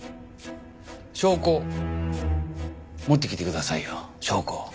証拠持ってきてくださいよ証拠。